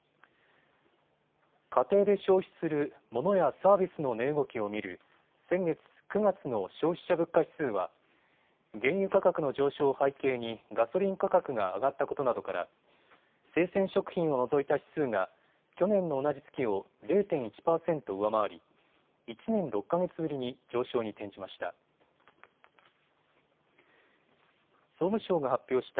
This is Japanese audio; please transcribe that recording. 家庭で消費するモノやサービスの値動きを見る先月９月の消費者物価指数は原油価格の上昇を背景にガソリン価格が上がったことなどから生鮮食品を除いた指数が去年の同じ月を０．１％上回り、１年６か月ぶりに上昇に転じました。